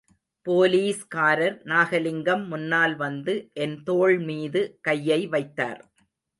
போலீஸ்காரர் நாகலிங்கம் முன்னால் வந்து என்தோள்மீது கையை வைத்தார்.